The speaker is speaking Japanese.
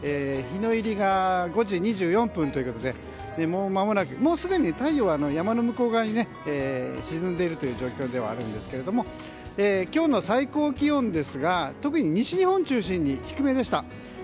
日の入りが５時２４分ということでもうすでに太陽は山の向こう側に沈んでいるという状況ではあるんですけど今日の最高気温ですが特に西日本中心に低めでした。